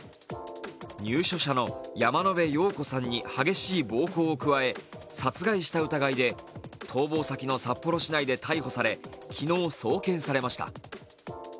入所者の山野辺陽子さんに激しい暴行を加え殺害した疑いで逃亡先の札幌市内で逮捕され昨日、送検されました。